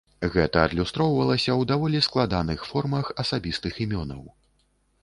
Гэта адлюстравалася ў даволі складаных формах асабістых імёнаў.